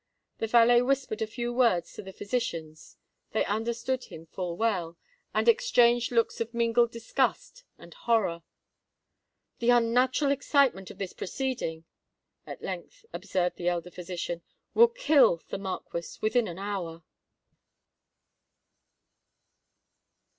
The valet whispered a few words to the physicians: they understood him full well, and exchanged looks of mingled disgust and horror. "The unnatural excitement of this proceeding," at length observed the elder physician, "will kill the Marquis within an hour!"